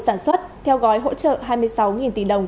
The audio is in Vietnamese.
sản xuất theo gói hỗ trợ hai mươi sáu tỷ đồng